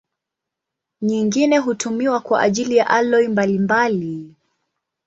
Nyingine hutumiwa kwa ajili ya aloi mbalimbali.